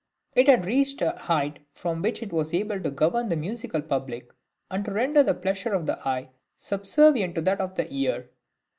It had reached a height from which it was able to govern the musical public, and to render the pleasure of the eye subservient to that of the ear.